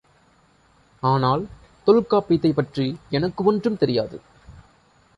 ஆனால் தொல்காப்பியத்தைப் பற்றி எனக்கு ஒன்றும் தெரியாது.